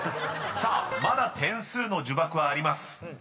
［さあまだ点数の呪縛はあります］